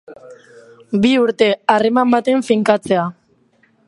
Bi urte, harreman baten finkatzea.